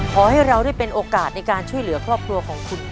ขอให้เราได้เป็นโอกาสในการช่วยเหลือครอบครัวของคุณ